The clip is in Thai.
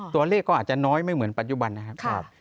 ตัวเลขก็อาจจะน้อยไม่เหมือนปัจจุบันนะครับ